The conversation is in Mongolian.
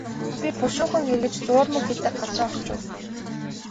Би бушуухан эргэж зуурмаг хийдэг газраа очив.